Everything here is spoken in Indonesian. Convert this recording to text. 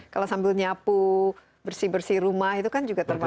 kalau sambil nyapu bersih bersih rumah itu kan juga terbatas